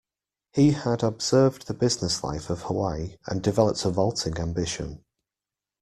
He had observed the business life of Hawaii and developed a vaulting ambition.